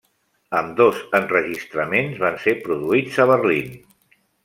Ambdós enregistraments van ser produïts a Berlín.